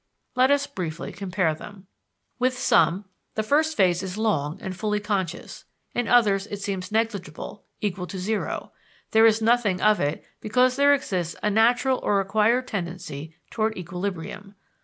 Let us briefly compare them. With some, the first phase is long and fully conscious; in others it seems negligible, equal to zero there is nothing of it because there exists a natural or acquired tendency toward equilibrium.